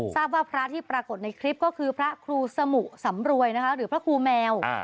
ทราบว่าพระที่ปรากฏในคลิปก็คือพระครูสมุสำรวยนะคะหรือพระครูแมว